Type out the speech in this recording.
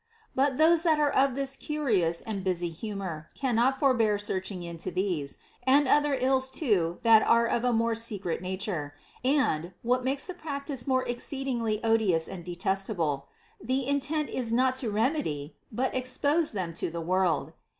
But those that are of this curious and busy hu mor cannot forbear searching into these, and other ills too that are of a more secret nature ; and — what makes the practice the more exceedingly odious and detestable — the intent is not to remedy, but expose them to the world.